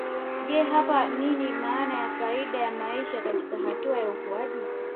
Je hapa nini maana na faida ya maisha katika hatua ya ukuaji